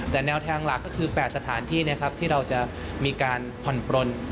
แต่แนวทางหลักก็คือ๘สถานที่ที่เราจะมีการผ่อนปลน